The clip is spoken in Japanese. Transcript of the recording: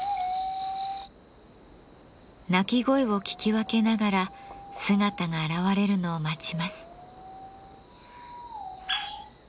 鳴き声を聞き分けながら姿が現れるのを待ちます。